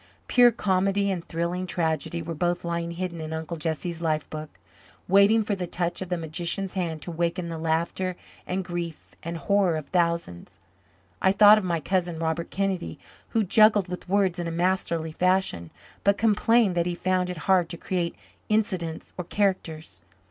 Pure comedy and thrilling tragedy were both lying hidden in Uncle Jesse's "life book," waiting for the touch of the magician's hand to waken the laughter and grief and horror of thousands. I thought of my cousin, Robert Kennedy, who juggled with words in a masterly fashion, but complained that he found it hard to create incidents or characters.